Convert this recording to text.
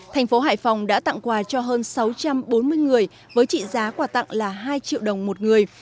tp hcm đã tặng quà cho hơn sáu trăm bốn mươi người với trị giá quà tặng là hai triệu đồng một người